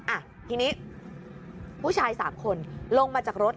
อ่ะทีนี้ผู้ชายสามคนลงมาจากรถ